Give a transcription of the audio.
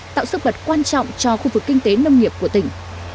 tạo sức bật quan trọng cho khu vực kinh tế nông nghiệp của tỉnh